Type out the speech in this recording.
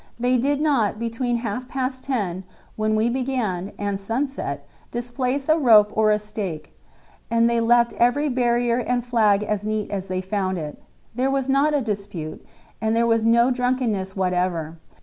They did not, between half past ten, when we began, and sunset, displace a rope or a stake; and they left every barrier and flag as neat as they found it. There was not a dispute, and there was no drunkenness whatever.